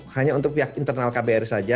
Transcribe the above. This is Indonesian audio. hanya untuk pihak internal kbr saja